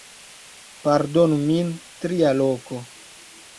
Pardonu min... tria loko